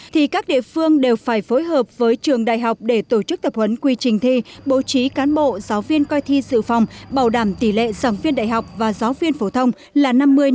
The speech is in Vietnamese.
thì các địa phương đều phải phối hợp với trường đại học để tổ chức tập huấn quy trình thi bố trí cán bộ giáo viên coi thi sự phòng bảo đảm tỷ lệ giáo viên đại học và giáo viên phổ thông là năm mươi năm mươi